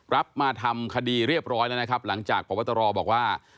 มาทำคดีเรียบร้อยแล้วนะครับหลังจากพบตรบอกว่า